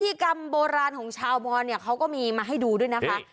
กิจกรรมโบราณของชาวมอนเนี่ยเขาก็มีมาให้ดูด้วยนะคะ